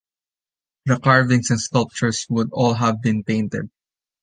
The carvings and sculptures would all have been painted.